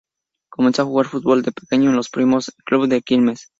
Comenzó a jugar al fútbol de pequeño, en "Los Primos", un club de Quilmes.